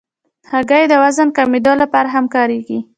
هګۍ د وزن کمېدو لپاره هم کارېږي.